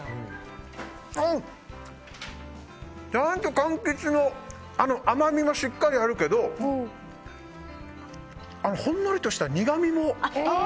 ちゃんと柑橘の甘みもしっかりあるけどほんのりとした苦みも。